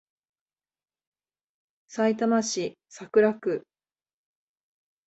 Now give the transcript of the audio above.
さいたま市桜区